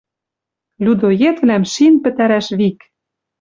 Людоедвлӓм шин пӹтӓрӓш вик.